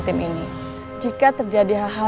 tim ini jika terjadi hal hal